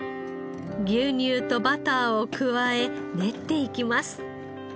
牛乳とバターを加え練っていきます。